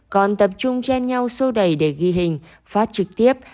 còn tập trung chen nhau sâu đầy để ghi hình phát trực tiếp